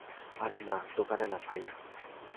আরে না, দোকানে না, ভাইয়া।